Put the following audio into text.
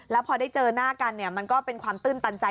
แล้วพอได้เจอหน้ากันมันก็เป็นความตื้นตันใจ